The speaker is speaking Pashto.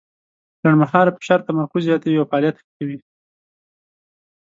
لنډمهاله فشار تمرکز زیاتوي او فعالیت ښه کوي.